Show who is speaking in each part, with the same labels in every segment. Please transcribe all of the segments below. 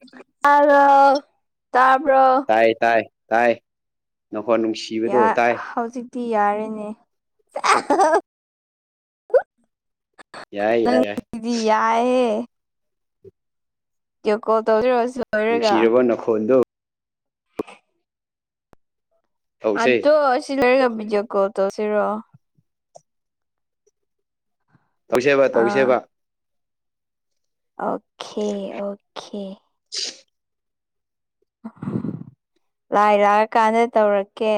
Speaker 1: [unintelligible] ꯇꯥꯕ꯭ꯔꯣ
Speaker 2: ꯇꯥꯏ ꯇꯥꯏ ꯇꯥꯏ ꯅꯈꯣꯟ ꯅꯨꯡꯁꯤ
Speaker 1: ꯍꯧꯖꯤꯛꯇꯤ ꯌꯥꯔꯦꯅꯦ [unintelligible]
Speaker 2: ꯌꯥꯏ ꯌꯥꯏ
Speaker 1: ꯌꯥꯏꯍꯦ ꯚꯤꯗ꯭ꯌꯣ ꯀꯣꯜ ꯇꯧꯁꯤꯔꯣ ꯂꯣꯏꯔꯒ
Speaker 2: ꯅꯨꯡꯁꯤꯔꯕꯣ ꯅꯈꯣꯜꯗꯣ ꯇꯧꯁꯦ
Speaker 1: ꯑꯗꯣ ꯁꯤ ꯂꯣꯏꯔꯒ ꯕꯤꯗ꯭ꯌꯣ ꯀꯣꯜ ꯇꯣꯁꯤꯔꯣ
Speaker 2: ꯇꯧꯁꯦꯕ ꯇꯧꯁꯦꯕ
Speaker 1: ꯑꯣꯈꯦ ꯑꯣꯈꯦ [unintelligible] ꯂꯥꯏ꯭ꯇ ꯂꯥꯛꯑꯀꯥꯟꯗ ꯇꯧꯔꯛꯀꯦ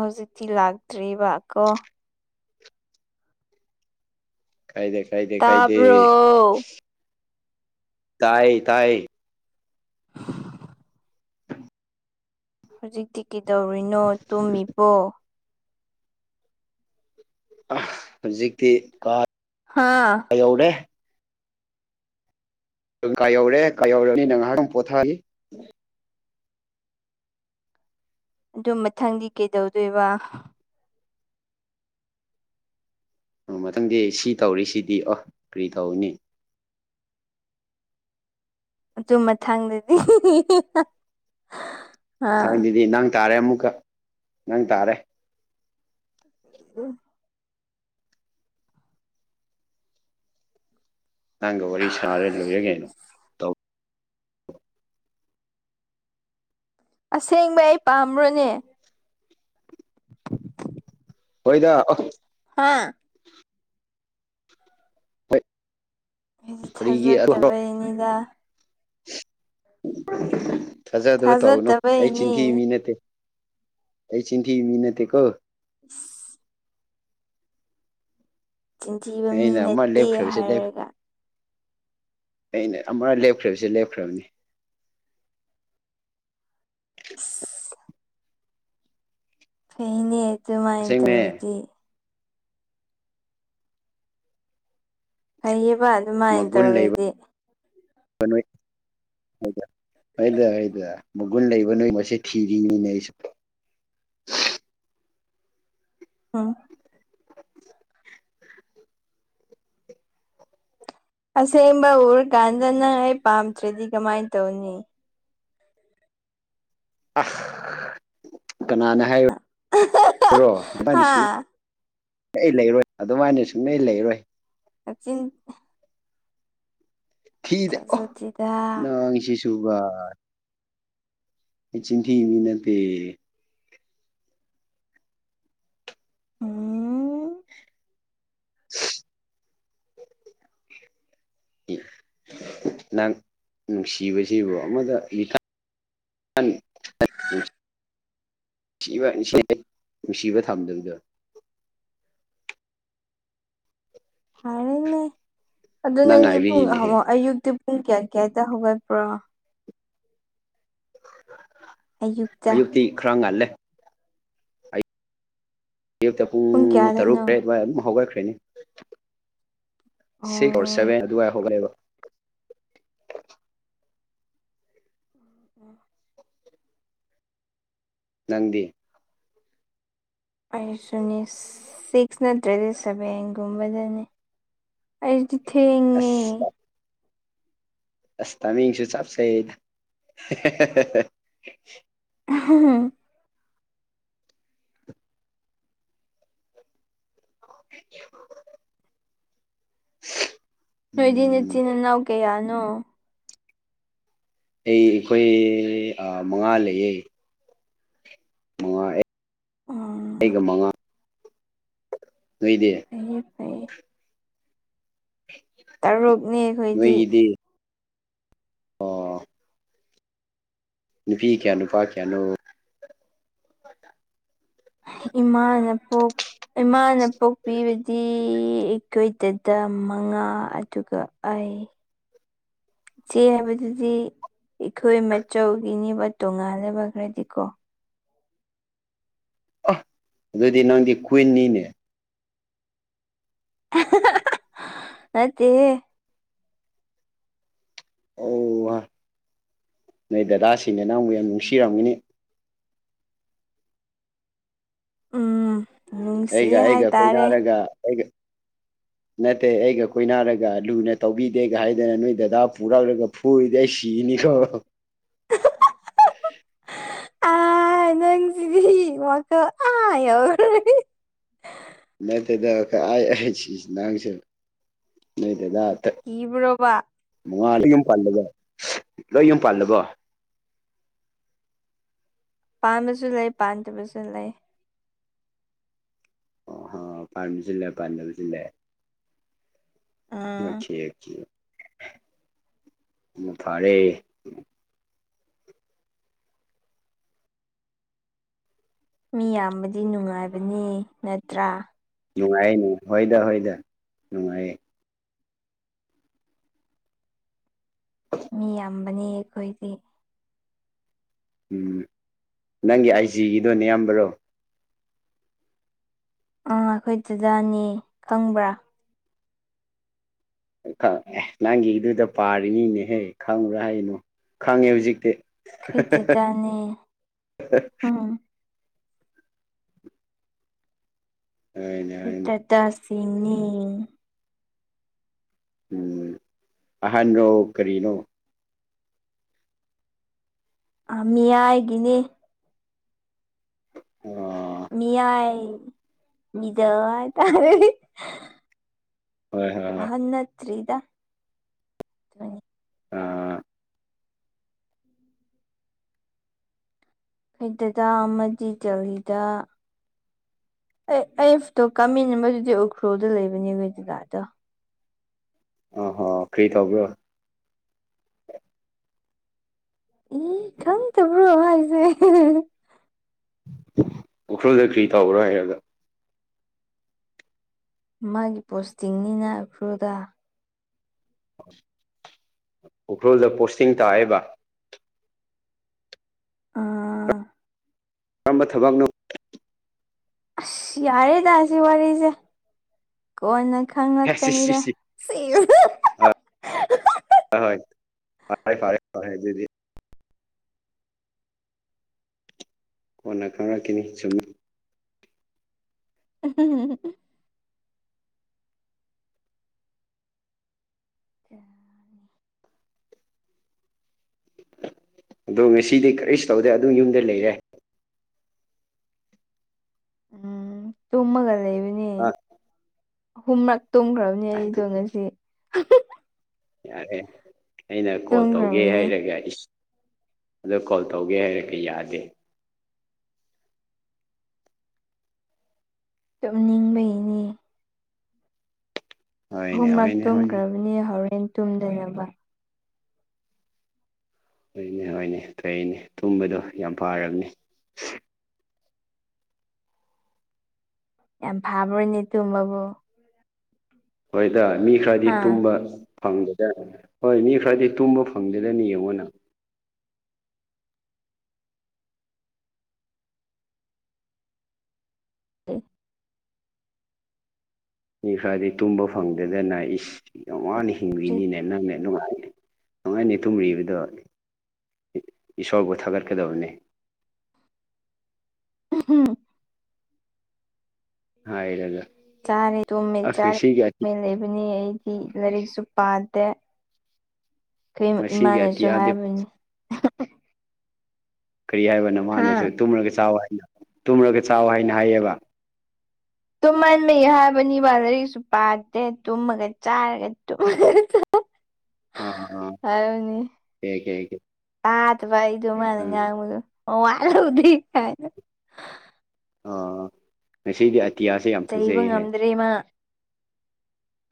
Speaker 1: ꯍꯧꯖꯤꯛꯇꯤ ꯂꯥꯛꯇ꯭ꯔꯤꯕ ꯀꯣ
Speaker 2: ꯀꯥꯏꯗꯦ ꯀꯥꯏꯗꯦ ꯀꯥꯏꯗꯦ
Speaker 1: ꯇꯥꯕ꯭ꯔꯣ
Speaker 2: ꯇꯥꯏ ꯇꯥꯏ
Speaker 1: ꯍꯧꯖꯤꯛꯇꯤ ꯀꯩꯗꯧꯔꯤꯅꯣ ꯇꯨꯝꯃꯤꯕꯣ
Speaker 2: ꯍꯧꯖꯤꯛꯇꯤ ꯀꯥ
Speaker 1: ꯍꯥꯥ
Speaker 2: ꯌꯧꯔꯦ ꯀꯥꯏ ꯌꯧꯔꯦ ꯀꯥꯏ ꯌꯧꯔꯅꯤ ꯅ ꯉꯥꯏꯍꯥꯛꯪ ꯄꯣꯊꯥꯅꯤ
Speaker 1: ꯑꯗꯨ ꯃꯊꯪꯗꯤ ꯀꯩꯗꯧꯗꯣꯏꯕ
Speaker 2: ꯑꯣ ꯃꯊꯪꯗꯤ ꯁꯤ ꯇꯧꯔꯤꯁꯤꯗꯤ ꯑꯣ ꯀꯔꯤ ꯇꯧꯅꯤ
Speaker 1: ꯑꯗꯨ ꯃꯊꯪꯗꯗꯤ [unintelligible]
Speaker 2: ꯃꯊꯪꯗꯨꯗꯤ ꯅꯪ ꯇꯥꯔꯦ ꯑꯃꯨꯛꯀ ꯅꯪ ꯇꯥꯔꯦ
Speaker 1: [unintelligible]
Speaker 2: ꯅꯪꯒ ꯋꯥꯔꯤ ꯁꯥꯔꯦ ꯂꯣꯏꯔꯦ ꯀꯩꯅꯣ ꯇꯧ
Speaker 1: ꯑꯁꯦꯡꯕꯩ ꯑꯩ ꯄꯥꯝꯕ꯭ꯔꯣꯅꯦ
Speaker 2: ꯍꯣꯏꯗ
Speaker 1: ꯍꯥꯥ
Speaker 2: ꯍꯣꯏ
Speaker 1: ꯎꯝ
Speaker 2: ꯀꯔꯤꯒꯤ ꯑꯗꯣ
Speaker 1: ꯊꯥꯖꯗꯕꯩꯅꯤꯗ
Speaker 2: [unintelligible] ꯊꯥꯖꯗꯕ ꯇꯧꯅꯨ ꯑꯩ
Speaker 1: ꯊꯥꯖꯗꯕꯩꯅꯦ
Speaker 2: ꯆꯤꯟꯊꯤꯕ ꯃꯤ ꯅꯠꯇꯦ ꯑꯩ ꯆꯤꯟꯊꯤꯕ ꯃꯤ ꯅꯇꯇꯦꯀꯣ
Speaker 1: [unintelligible] ꯆꯤꯟꯊꯤꯕ ꯃꯤ
Speaker 2: ꯑꯩꯅ ꯑꯃ
Speaker 1: ꯅꯠꯇꯦ
Speaker 2: ꯂꯦꯞꯈ꯭ꯔꯕꯁ ꯂꯦꯞ
Speaker 1: ꯍꯥꯏꯔꯒ
Speaker 2: ꯑꯩꯅ ꯑꯃ ꯂꯦꯞꯈ꯭ꯔꯤꯕꯁꯤ ꯂꯦꯞꯈ꯭ꯔꯕꯅꯤ
Speaker 1: [unintelligible] ꯐꯩꯅꯦ ꯑꯗꯨꯃꯥꯏꯅ
Speaker 2: ꯑꯁꯦꯡꯅꯦ
Speaker 1: ꯇꯧꯔꯗꯤ ꯐꯩꯌꯦꯕ ꯑꯗꯨꯃꯥꯏꯅ
Speaker 2: ꯃꯒꯨꯟ
Speaker 1: ꯇꯧꯔꯗꯤ
Speaker 2: ꯂꯩꯕꯗ [unintelligible] ꯍꯣꯏꯗ ꯃꯒꯨꯟ ꯂꯩꯕ ꯅꯣꯏꯒꯨꯝꯕꯁꯦ ꯊꯤꯔꯤꯅꯤꯅꯦ ꯑꯩꯁꯨ
Speaker 1: ꯑꯣ ꯑꯁꯦꯡꯕ ꯎꯔꯀꯥꯟꯗꯅꯪ ꯑꯩ ꯄꯥꯝꯗ꯭ꯔꯗꯤ ꯀꯃꯥꯏꯅ ꯇꯧꯅꯤ
Speaker 2: ꯑ ꯀꯅꯥꯅ ꯍꯥꯏꯔꯣ ꯑꯗꯨꯃꯥꯏꯅ
Speaker 1: ꯍꯥ
Speaker 2: ꯁꯨꯝ ꯑꯩ ꯂꯩꯔꯣꯏ ꯑꯗꯨꯃꯥꯏꯅ ꯁꯨꯡꯂꯩ ꯂꯩꯔꯣꯏ
Speaker 1: ꯅꯆꯤꯟ
Speaker 2: ꯊꯤꯗꯦ ꯑꯣ
Speaker 1: ꯊꯥꯖꯗꯦꯗ
Speaker 2: ꯅꯪꯁꯤꯁꯨꯨꯕ ꯑꯩ ꯆꯤꯡ ꯊꯤ ꯃꯤ ꯅꯠꯇꯦ
Speaker 1: ꯑꯣ
Speaker 2: [unintelligible] [unintelligible] ꯅꯪ ꯅꯨꯡꯁꯤꯕꯁꯤꯕꯨ ꯑꯃꯗ [unintelligible] [unintelligible] ꯅꯨꯡꯁꯤꯕ ꯊꯝꯗꯕꯗꯣ
Speaker 1: ꯍꯥꯏꯔꯦꯅꯦ ꯑꯗꯨ
Speaker 2: ꯅꯪ
Speaker 1: ꯅꯪꯗꯤ ꯄꯨꯡ
Speaker 2: ꯉꯥꯏꯕꯤꯔꯤꯅꯦꯍꯦ
Speaker 1: ꯑꯌꯨꯛꯇꯤ ꯄꯨꯡ ꯀꯌꯥ ꯀꯌꯥꯗ ꯍꯧꯒꯠꯄ꯭ꯔꯣ ꯑꯌꯨꯛꯇ
Speaker 2: ꯑꯌꯨꯛꯇꯤ ꯈ꯭ꯔ ꯉꯜꯂꯦ ꯑꯌꯨꯛꯇ ꯄꯨꯡ ꯇꯔꯨꯛ ꯇꯔꯦꯠ ꯋꯥꯏ ꯑꯗꯨꯝ ꯍꯧꯒꯠꯈ꯭ꯔꯅꯤ ꯁꯤꯁ ꯑꯣꯔ
Speaker 1: ꯑꯣ
Speaker 2: ꯁꯚꯦꯟ ꯑꯗꯨꯋꯥꯏ ꯍꯧꯒꯠꯂꯦꯕ
Speaker 1: [unintelligible]
Speaker 2: ꯅꯪꯗꯤ
Speaker 1: ꯑꯩꯁꯨꯅꯤ ꯁꯤꯛꯁ ꯅꯠꯇ꯭ꯔꯗꯤ ꯁꯚꯦꯟꯒꯨꯝꯕꯗꯅꯤ ꯑꯩꯗꯤ ꯊꯦꯡꯉꯤ
Speaker 2: ꯑꯁ ꯑꯁ ꯇꯥꯃꯤꯡꯁꯨ ꯆꯞ ꯆꯥꯏꯌꯦꯗ
Speaker 1: [unintelligible]
Speaker 2: [unintelligible]
Speaker 1: ꯅꯣꯏꯗꯤ
Speaker 2: ꯎꯝ
Speaker 1: ꯏꯆꯤꯟ ꯏꯅꯥꯎ ꯀꯌꯥꯅꯣ
Speaker 2: ꯑꯩ ꯑꯩꯈꯣꯏ ꯃꯉꯥ ꯂꯩꯌꯦ ꯃꯉꯥ
Speaker 1: ꯑꯣ
Speaker 2: ꯑꯩꯒ ꯃꯉꯥ ꯅꯣꯏꯗꯤ
Speaker 1: ꯐꯩꯌꯦ ꯐꯩꯌꯦ ꯇꯔꯨꯛꯅꯦ ꯑꯩꯈꯣꯏꯗꯤ
Speaker 2: ꯅꯣꯏꯒꯤꯗꯤ ꯑꯣ ꯅꯨꯄꯤ ꯀꯌꯥ ꯅꯨꯄꯥ ꯀꯌꯥꯅꯣ
Speaker 1: ꯏꯃꯥꯅ ꯄꯣꯛ ꯏꯃꯥꯅ ꯄꯣꯛꯄꯤꯕꯗꯤ ꯑꯩꯈꯣꯏꯗꯥꯗꯥ ꯃꯉꯥ ꯑꯗꯨꯒ ꯑꯩ ꯢꯆꯦ ꯍꯥꯏꯕꯗꯨꯗꯤ ꯑꯩꯈꯣꯏ ꯃꯆꯧꯒꯤꯅꯦꯕ ꯇꯣꯉꯥꯟꯂꯦꯕ ꯈꯔꯗꯤꯀꯣ
Speaker 2: ꯑꯦ ꯑꯗꯨꯗꯤ ꯅꯪꯗꯤ ꯀꯨꯏꯟꯅꯤꯅꯦ
Speaker 1: ꯅꯠꯇꯦꯍꯦ
Speaker 2: ꯑꯣꯍ ꯅꯣꯏ ꯗꯗꯥꯁꯤꯡꯅ ꯅꯪꯕꯨ ꯌꯥꯝ ꯅꯨꯡꯁꯤꯔꯝꯒꯅꯤ
Speaker 1: ꯎꯝ
Speaker 2: ꯑꯩꯒ
Speaker 1: ꯅꯨꯡꯁꯤꯌꯦ
Speaker 2: ꯑꯩꯒ
Speaker 1: ꯍꯥꯏꯇꯥꯔꯦ
Speaker 2: ꯀꯣꯏꯅꯥꯔꯒ ꯑꯩꯒ ꯅꯠꯇꯦ ꯑꯩꯒ ꯀꯣꯏꯅꯔꯒ ꯂꯨꯅ ꯇꯧꯕꯤꯗꯦꯒ ꯍꯥꯏꯗꯅ ꯅꯣꯏ ꯗꯗꯥ ꯄꯨꯔꯛꯂꯒ ꯐꯨꯔꯗꯤ ꯑꯩ ꯁꯤꯒꯅꯤꯀꯣ
Speaker 1: ꯑ ꯅꯪꯁꯤꯗꯤ ꯋꯈꯥꯜ ꯑꯥ ꯌꯧꯔꯦ
Speaker 2: ꯅꯠꯇꯦꯗ ꯀꯥꯢ ꯅꯪꯁꯨ ꯅꯣꯢ ꯗꯥꯗꯥ
Speaker 1: ꯀꯤꯕ꯭ꯔꯣꯕꯥ
Speaker 2: ꯃꯉꯥ ꯂꯣꯏ ꯌꯨꯝ ꯄꯜꯂꯕꯣ ꯂꯣꯏ ꯌꯨꯝ ꯄꯜꯂꯕꯣ
Speaker 1: ꯄꯥꯟꯕꯁꯨ ꯂꯩ ꯄꯥꯟꯗꯕꯁꯨ ꯂꯩ
Speaker 2: ꯑꯣ ꯍ ꯄꯥꯟꯕꯁꯨ ꯂꯩ ꯄꯥꯟꯗꯕꯁꯨ ꯂꯩ
Speaker 1: ꯑꯥ
Speaker 2: ꯑꯣꯀꯦ ꯑꯣꯀꯦ ꯐꯥꯔꯦ
Speaker 1: ꯃꯤ ꯌꯥꯝꯕꯗꯤ ꯅꯨꯡꯉꯥꯏꯕꯅꯤ ꯅꯠꯇ꯭ꯔꯥ
Speaker 2: ꯅꯨꯡꯉꯥꯏꯌꯦ ꯅꯨꯡ ꯍꯣꯏꯗ ꯍꯣꯏꯗ ꯅꯨꯡꯉꯥꯏꯌꯦ
Speaker 1: ꯃꯤ ꯌꯥꯝꯕꯅꯤ ꯑꯩꯈꯣꯏꯗꯤ
Speaker 2: ꯎꯝ ꯅꯪꯒꯤ ꯑꯥꯏꯖꯤꯒꯤꯗꯣ ꯅꯌꯥꯝꯕꯔꯣ
Speaker 1: ꯑꯥ ꯑꯩꯈꯣꯏꯗꯥꯗꯥꯅꯦ ꯈꯪꯕ꯭ꯔꯥ
Speaker 2: ꯑꯦ ꯅꯪꯒꯤꯗꯨꯗ ꯄꯥꯔꯤꯅꯤꯅꯦꯍꯦ ꯈꯪꯕ꯭ꯔꯥ ꯍꯥꯏꯅꯣ ꯈꯪꯉꯦ ꯍꯧꯖꯤꯛꯇꯤ
Speaker 1: ꯑꯩꯈꯣꯢ ꯗꯥꯗꯥ ꯅꯦ
Speaker 2: ꯑ [inaudible] ꯍꯣꯏꯅꯦ ꯍꯣꯏꯅꯦ
Speaker 1: ꯗꯥꯗꯥ ꯁꯤꯡꯅꯦ
Speaker 2: ꯎꯝ ꯑꯍꯥꯟꯔꯣ ꯀꯔꯤꯅꯣ
Speaker 1: ꯃꯤꯌꯥꯏꯒꯤꯅꯤ
Speaker 2: ꯑꯣ
Speaker 1: ꯃꯤꯌꯥꯥꯏ ꯃꯤꯗꯥꯜ ꯍꯥꯢꯇꯥꯥꯔꯦ
Speaker 2: ꯍꯣꯏ ꯍꯣꯏ ꯍꯣꯏ
Speaker 1: ꯑꯍꯥꯜ ꯅꯠꯇꯔꯤꯗ
Speaker 2: ꯑꯥ
Speaker 1: ꯗꯥꯗꯥ ꯑꯃꯗꯤ ꯗꯦꯜꯍꯤꯗ ꯑꯦ ꯑꯩꯒ ꯐꯣꯇꯣ ꯀꯥꯃꯤꯟꯅꯕꯗꯨꯗꯤ ꯎꯈ꯭ꯔꯨꯗ ꯂꯩꯕꯅꯦ ꯑꯩꯈꯣꯏ ꯗꯥꯗꯥ ꯗꯣ
Speaker 2: ꯑꯣ ꯍꯣ ꯀꯔꯤ ꯇꯧꯕ꯭ꯔꯣ
Speaker 1: ꯎ ꯈꯪꯇꯕ꯭ꯔꯣ ꯍꯥꯏꯁꯦ
Speaker 2: ꯎꯈ꯭ꯔꯨꯜꯗ ꯀ꯭ꯔꯤ ꯇꯧꯕ꯭ꯔꯥ ꯍꯥꯏꯔꯒ
Speaker 1: ꯃꯥꯒꯤ ꯄꯣꯁꯇꯤꯡꯅꯤꯅ ꯎꯈ꯭ꯔꯨꯜꯗ
Speaker 2: ꯎꯈ꯭ꯔꯨꯜꯗ ꯄꯣꯁꯇꯤꯡ ꯇꯥꯏꯌꯦꯕ
Speaker 1: ꯑꯥ
Speaker 2: ꯀꯔꯝꯕ ꯊꯕꯛꯅꯣ
Speaker 1: ꯑꯁ ꯌꯥꯔꯦꯗ ꯁꯤ ꯋꯥꯔꯤꯁꯦ ꯀꯣꯟꯅ
Speaker 2: ꯑꯦ ꯁꯤ ꯁꯤ
Speaker 1: ꯈꯪꯂꯛꯀꯅꯤꯗ
Speaker 2: ꯁꯤ
Speaker 1: ꯁꯤꯁ
Speaker 2: ꯍꯣꯏ ꯐꯔꯦ ꯐꯔꯦ ꯍꯣꯢ ꯑꯗꯨꯗꯤ ꯀꯣꯟꯅ ꯈꯪꯔꯛꯈꯤꯅꯤ ꯆꯨꯝꯃꯤ
Speaker 1: ꯎꯝ
Speaker 2: ꯑꯗꯣ ꯉꯁꯤꯗꯤ ꯀꯔꯤꯁꯨ ꯇꯧꯗꯦ ꯑꯗꯨꯝ ꯌꯨꯝꯗ ꯂꯩꯔꯦ
Speaker 1: ꯎꯝ ꯇꯨꯝꯃꯒ ꯂꯩꯕꯅꯦ
Speaker 2: ꯑꯥ
Speaker 1: ꯑꯍꯨꯝꯔꯛ ꯇꯨꯝꯈ꯭ꯔꯕ ꯑꯩꯗꯣ
Speaker 2: ꯑꯗꯨ
Speaker 1: ꯉꯁꯤ
Speaker 2: ꯌꯥꯔꯦ ꯑꯩꯅ ꯀꯣꯜ ꯇꯧꯒꯦ
Speaker 1: ꯇꯨꯝꯈ꯭ꯔꯕꯅꯦ
Speaker 2: ꯍꯥꯏꯔꯒ ꯑꯤꯁ ꯑꯗꯣ ꯀꯣꯜ ꯇꯧꯒꯦ ꯍꯥꯏꯔꯛꯀꯦ ꯌꯥꯗꯦ
Speaker 1: ꯇꯨꯝꯅꯤꯡꯕꯩꯅꯤ
Speaker 2: ꯍꯣꯏꯅꯦ
Speaker 1: ꯑꯍꯨꯝꯂꯛ
Speaker 2: ꯍꯣꯏꯅꯦ ꯍꯣꯏꯅꯦ
Speaker 1: ꯇꯨꯝꯒ꯭ꯔꯕꯅꯦ ꯍꯣꯔꯦꯟ ꯇꯨꯝꯗꯅꯕ
Speaker 2: ꯍꯣꯏꯅꯦ ꯍꯣꯏꯅꯦ ꯐꯩꯅꯦ ꯇꯨꯝꯕꯗꯣ ꯌꯥꯝ ꯐꯔꯕꯅꯤ
Speaker 1: ꯌꯥꯝ ꯐꯥꯕ꯭ꯔꯣꯏꯅꯦ ꯇꯨꯝꯕꯕꯨ
Speaker 2: ꯍꯣꯏꯗꯥ ꯃꯤ ꯈꯔꯗꯤ
Speaker 1: ꯍꯥ
Speaker 2: ꯇꯨꯝꯕ ꯐꯪꯗꯦꯗ ꯍꯣꯏ ꯃꯤ ꯈꯔꯗꯤ ꯇꯨꯝꯕ ꯐꯪꯗꯦꯗꯅꯤ ꯌꯦꯡꯉꯣ ꯅꯪ
Speaker 1: [unintelligible]
Speaker 2: ꯃꯤ ꯈꯔꯥꯗꯤ ꯇꯨꯝꯕ ꯐꯪꯗꯗꯅ ꯏꯁ ꯌꯥꯝ ꯋꯥꯅ ꯍꯤꯡꯕꯤꯅꯤꯅꯦ ꯅꯪꯅꯦ ꯅꯨꯡꯉꯥꯏ ꯅꯨꯡꯉꯥꯏꯅꯤ ꯇꯨꯝꯒꯤꯕꯗꯣ ꯏꯁꯣꯔꯕꯨ ꯊꯥꯒꯠꯀꯥꯗꯕꯅꯤ
Speaker 1: ꯍꯝ
Speaker 2: ꯍꯥꯏꯔꯒ
Speaker 1: ꯆꯥꯔꯦ ꯇꯨꯝꯃꯦ
Speaker 2: ꯑꯁ
Speaker 1: ꯆꯥꯔꯦ
Speaker 2: ꯉꯁꯤꯒꯤ
Speaker 1: ꯇꯨꯝꯃꯦ ꯂꯩꯕꯅꯤ ꯑꯩ ꯁꯤ ꯂꯥꯏꯔꯤꯛꯁꯨ ꯄꯥꯗꯦ ꯑꯩꯈꯣꯏ
Speaker 2: ꯉꯁꯤꯒꯤ
Speaker 1: ꯏꯃꯥꯅꯁꯨ
Speaker 2: ꯑꯇꯤꯌꯥꯗꯤ
Speaker 1: ꯍꯥꯏꯕꯅꯤ [unintelligible]
Speaker 2: ꯀꯔꯤ ꯍꯥꯏꯕꯅꯣ
Speaker 1: ꯍꯥ
Speaker 2: ꯃꯥꯅꯦꯁꯨ ꯇꯨꯝꯔꯒꯥ ꯆꯥꯎ ꯍꯥꯏꯅ ꯇꯨꯝꯔꯒꯥ ꯆꯥꯎ ꯍꯥꯏꯅ ꯍꯥꯏꯌꯦꯕ
Speaker 1: ꯇꯨꯝꯍꯟꯕꯩ ꯍꯥꯏꯕꯅꯤꯕ ꯂꯥꯏꯔꯤꯁꯨ ꯄꯥꯗꯦ ꯇꯨꯝꯃꯒꯥ ꯆꯥꯔꯒꯥ ꯇꯨꯝꯒꯥ ꯆꯥꯔꯒꯥ
Speaker 2: ꯑꯥ ꯑꯥ ꯑꯥ ꯀꯦ ꯀꯦ ꯀꯦ
Speaker 1: ꯇꯥꯗꯕ ꯑꯩꯗꯨ ꯃꯥꯅ ꯉꯥꯡꯕꯗꯣ ꯃꯋꯥ ꯂꯧꯗꯦ
Speaker 2: ꯑꯥ ꯉꯁꯤꯗꯤ ꯑꯇꯤꯌꯥꯁꯦ ꯌꯥꯝ ꯐꯖꯩꯍꯦꯛ
Speaker 1: ꯔꯤꯃꯥ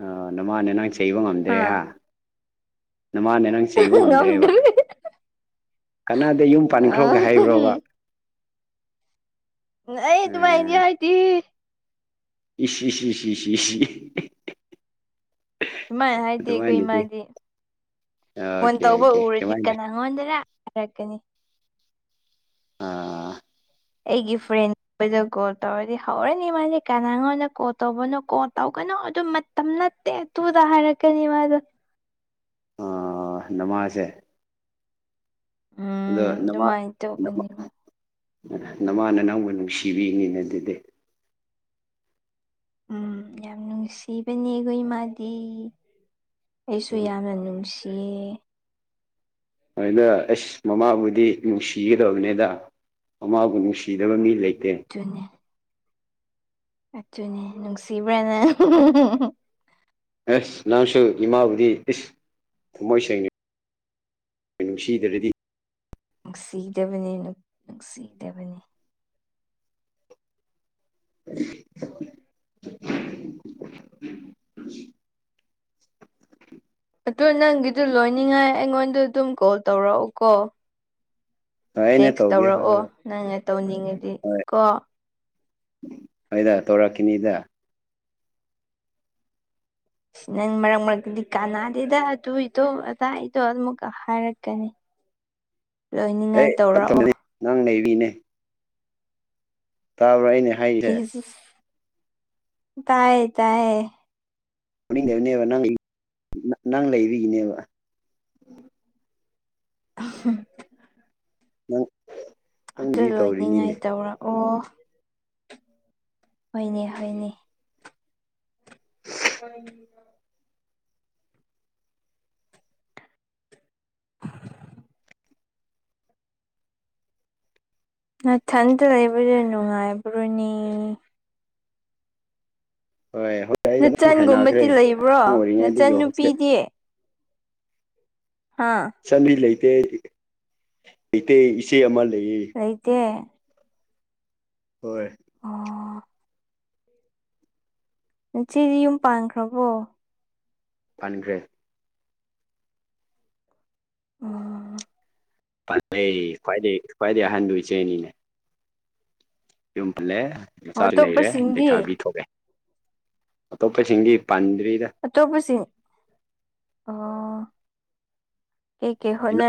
Speaker 2: ꯑꯥ ꯅꯃꯥꯟꯅꯦ ꯅꯪ ꯆꯩꯕ ꯉꯝꯗ꯭ꯔꯦ ꯍꯥ ꯅꯃꯥꯟꯅꯦ ꯅꯪ ꯆꯩꯕ ꯉꯝꯗ꯭ꯔꯦꯕ
Speaker 1: ꯉꯝꯗ꯭ꯔꯦ
Speaker 2: ꯀꯅꯥꯗꯦ ꯌꯨꯝ ꯄꯥꯟꯈ꯭ꯔꯣꯒꯥ ꯍꯥꯏꯕ꯭ꯔꯣꯕ
Speaker 1: ꯑꯦ ꯑꯗꯨꯨꯃꯥꯏꯗꯤ
Speaker 2: ꯑꯥ
Speaker 1: ꯍꯥꯏꯗꯤ
Speaker 2: ꯏꯁ ꯏꯁ ꯏꯁ ꯏꯁ ꯏꯁ
Speaker 1: ꯑꯗꯨꯃꯥꯏꯅ ꯍꯥꯏꯗꯤ ꯑꯩꯈꯣꯏ
Speaker 2: ꯑꯗꯨꯃꯥꯏꯅꯗꯤ
Speaker 1: ꯏꯃꯥꯗꯤ ꯐꯣꯟ
Speaker 2: ꯑꯣꯀꯦ
Speaker 1: ꯇꯧꯕ
Speaker 2: ꯑꯣꯀꯦ
Speaker 1: ꯎꯔꯗꯤ
Speaker 2: ꯑꯗꯨꯃꯥꯏꯅ
Speaker 1: ꯀꯅꯥ ꯅꯉꯣꯟ ꯗꯥꯔꯥ ꯍꯥꯏꯔꯛꯀꯥꯅꯤ
Speaker 2: ꯑꯥ
Speaker 1: ꯑꯩꯒꯤ ꯐ꯭ꯔꯦꯟ ꯍꯣꯏꯗꯥ ꯀꯣꯜ ꯇꯧꯔꯗꯤ ꯍꯧꯔꯅꯤ ꯃꯥꯅꯦ ꯀꯅꯥ ꯉꯣꯟꯗꯥ ꯀꯣꯜ ꯇꯧꯕꯅꯣ ꯀꯣ ꯇꯧꯒꯅꯣ ꯑꯗꯨ ꯃꯇꯝ ꯅꯠꯇꯦ ꯇꯨꯗꯥ ꯍꯥꯏꯔꯛꯀꯅꯤ ꯃꯥꯗꯣ
Speaker 2: ꯑꯣ ꯅꯃꯥꯁꯦ ꯑꯗꯣ
Speaker 1: ꯎꯝ
Speaker 2: ꯅꯃꯥꯟ
Speaker 1: ꯑꯗꯨꯃꯥꯏꯅ ꯇꯧꯕꯅꯦꯕ
Speaker 2: ꯅꯃꯥꯅ ꯅꯪꯕꯨ ꯅꯨꯡꯁꯤꯕꯤꯉꯤꯅ ꯑꯗꯨꯗꯤ
Speaker 1: ꯎꯝ ꯌꯥꯝ ꯅꯨꯡꯁꯤꯕꯅꯦ ꯑꯈꯣꯏ ꯏꯃꯥꯗꯤ ꯑꯩꯁꯨ
Speaker 2: ꯎꯝ
Speaker 1: ꯌꯥꯝꯅ ꯅꯨꯡꯁꯤꯌꯦ
Speaker 2: ꯍꯣꯏꯗꯥ ꯑꯩꯁ ꯃꯃꯥꯕꯨꯗꯤ ꯅꯨꯡꯁꯤꯒꯥꯗꯕꯅꯤꯗꯥ ꯃꯃꯥꯕꯨ ꯅꯨꯡꯁꯤꯗꯥꯕ ꯃꯤ ꯂꯩꯇꯦ
Speaker 1: ꯗꯨꯅꯦ ꯑꯗꯨꯅꯦ ꯅꯨꯡꯁꯤꯕ꯭ꯔ ꯅꯪ
Speaker 2: ꯑꯦꯁ ꯅꯪꯁꯨ ꯏꯃꯥꯕꯨꯗꯤ ꯏꯁ ꯊꯥꯃꯣꯏ ꯁꯦꯡꯅ ꯅꯨꯡꯁꯤꯗꯔꯥꯗꯤ
Speaker 1: ꯅꯨꯡꯁꯤꯗꯕꯅꯤ ꯅꯨꯡꯁꯤꯗꯕꯅꯤ ꯑꯗꯨ ꯅꯪꯒꯤꯗꯨ ꯂꯣꯏꯅꯤꯡꯉꯥꯏ ꯑꯩꯉꯣꯟꯗ ꯑꯗꯨꯝ ꯀꯣꯜ ꯇꯧꯔꯛꯎꯀꯣ
Speaker 2: ꯍꯣꯏ ꯑꯩꯅ
Speaker 1: ꯇꯦꯛꯁ
Speaker 2: ꯇꯧꯒꯦ ꯍꯣꯏ
Speaker 1: ꯇꯧꯔꯛꯑꯣ
Speaker 2: ꯍꯣꯏ
Speaker 1: ꯅꯪꯅ ꯇꯧꯅꯤꯡꯉꯗꯤ ꯀꯣ
Speaker 2: ꯍꯣꯏꯗꯥ ꯇꯧꯔꯛꯀꯤꯅꯤꯗꯥ
Speaker 1: ꯁꯤ ꯅꯪ ꯃꯔꯛ ꯃꯔꯛꯇꯥꯗꯤ ꯀꯥꯟꯅꯗꯦꯗꯥ ꯑꯗꯨꯏꯗꯣ ꯑꯗꯥ ꯑꯩꯗꯣ ꯑꯗꯨꯝꯀꯥ ꯍꯥꯏꯔꯛꯀꯥꯅꯤ [inaudible]
Speaker 2: ꯑꯩ ꯇꯝ ꯇꯝ ꯅꯪ ꯅꯩꯕꯤꯅꯦ ꯇꯥꯕ꯭ꯔꯥ ꯑꯩꯅꯦ
Speaker 1: [unintelligible] ꯇꯥꯏ ꯇꯥꯌꯦ
Speaker 2: ꯂꯧꯅꯤꯡꯗꯕꯅꯦꯕ ꯅꯪ ꯅꯪ ꯂꯩꯕꯤꯒꯤꯅꯦꯕ
Speaker 1: ꯑꯣ ꯍꯣ
Speaker 2: ꯅꯪ
Speaker 1: ꯑꯗꯨ
Speaker 2: ꯅꯪꯕꯨꯗꯤ
Speaker 1: ꯂꯣꯏꯅꯤꯡꯉꯥꯏ
Speaker 2: ꯇꯧꯔꯤꯅꯤꯅꯦ
Speaker 1: ꯇꯧꯔꯛꯑꯣ ꯍ‌ꯣꯏꯅꯦ ꯍ‌ꯣꯏꯅ‌ꯦ [unintelligible] ꯅꯊꯟꯇ ꯂꯩꯕꯗ‌ꯣ ꯅꯨꯡꯉꯥꯏꯕ꯭ꯔꯣꯅꯦ
Speaker 2: ꯍꯣꯏ [inaudible] ꯑꯩ ꯑꯗꯨꯝ ꯍꯥꯏꯅꯈ꯭ꯔꯦ
Speaker 1: ꯅꯆꯟꯒꯨꯝꯕꯗꯤ ꯂꯩꯕ꯭ꯔꯣ
Speaker 2: ꯑꯉꯥꯡ
Speaker 1: ꯅꯆꯟ
Speaker 2: ꯑꯣꯏꯔꯤꯉꯩꯗꯒꯤ ꯍ‌ꯣꯁꯇ‌ꯦꯜ
Speaker 1: ꯅꯨꯄꯤꯗꯤ ꯍꯥꯥ
Speaker 2: ꯏꯆꯟꯗꯤ ꯂꯩꯇꯦ ꯂꯩꯇꯦ ꯏꯆꯦ ꯑꯃ ꯂꯩꯌꯦ
Speaker 1: ꯂꯩꯇ‌ꯦ
Speaker 2: ꯍꯣꯏ
Speaker 1: ꯑꯣ ꯅꯆꯦꯗꯤ ꯌꯨꯝ ꯄꯥꯟꯈ꯭ꯔꯕꯣ
Speaker 2: ꯄꯟꯈ꯭ꯔꯦ
Speaker 1: ꯑꯣ
Speaker 2: ꯄꯟꯈ‌ꯦ ꯈ꯭ꯋꯥꯏꯗꯩ ꯈ꯭ꯋꯥꯏꯗꯩ ꯑꯍꯥꯟꯗ‌ꯣ ꯏꯆꯦꯅꯤꯅꯦ ꯌꯨꯝ ꯄꯜꯂꯦ ꯃꯆꯥ ꯂꯩꯔꯦ
Speaker 1: ꯑꯇꯣꯞꯄꯁꯤꯡꯗꯤ
Speaker 2: ꯂꯩꯩꯊꯥꯕꯤ ꯊꯣꯛꯑꯦ ꯑꯇꯣꯞꯄꯁꯤꯡꯗꯤ ꯄꯥꯟꯗ꯭ꯔꯤꯗ
Speaker 1: ꯑꯇꯣꯞꯄꯁꯤꯡ ꯑꯣ ꯀꯩꯀꯩ ꯍꯣꯠꯅ